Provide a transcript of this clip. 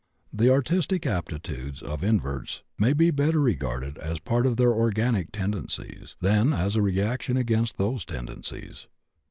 The artistic aptitudes of inverts may better be regarded as part of their organic tendencies than as a reaction against those tendencies.